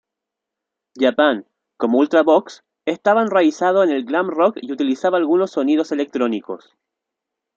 Japan, como Ultravox, estaba enraizado en el glam rock y utilizaba algunos sonidos electrónicos.